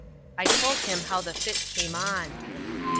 I told him how the fit came on.